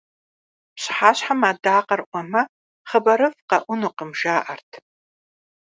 Пщыхьэщхьэм адакъэр Ӏуэмэ, хъыбарыфӀ къэӀунукъым жаӀэрт.